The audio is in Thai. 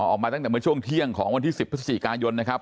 ออกมาตั้งแต่เมื่อช่วงเที่ยงของวันที่๑๐พฤศจิกายนนะครับ